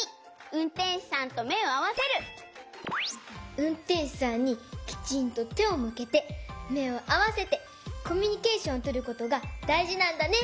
うんてんしゅさんにきちんとてをむけてめをあわせてコミュニケーションをとることがだいじなんだね！